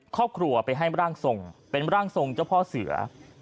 ครอบครัวไปให้ร่างทรงเป็นร่างทรงเจ้าพ่อเสือ